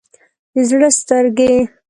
د زړه سترګې